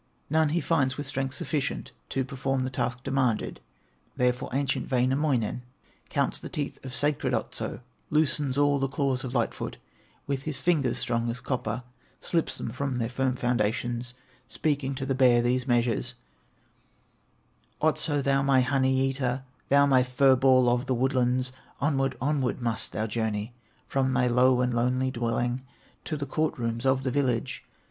None he finds with strength sufficient To perform the task demanded. Therefore ancient Wainamoinen Counts the teeth of sacred Otso; Loosens all the claws of Light foot, With his fingers strong as copper, Slips them from their firm foundations, Speaking to the bear these measures: "Otso, thou my Honey eater, Thou my Fur ball of the woodlands, Onward, onward, must thou journey From thy low and lonely dwelling, To the court rooms of the village.